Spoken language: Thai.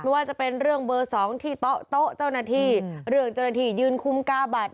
ว่าจะเป็นเรื่องเบอร์๒ที่โต๊ะเจ้าหน้าที่เรื่องเจ้าหน้าที่ยืนคุมกาบัตร